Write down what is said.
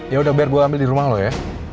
yaudah biar gue ambil di rumah lo ya